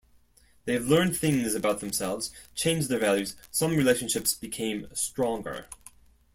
They've learned things about themselves, changed their values, some relationships became stronger.